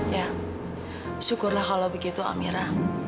ya syukurlah kalau begitu amira